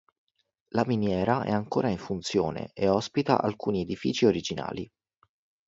La miniera è ancora in funzione e ospita alcuni edifici originali.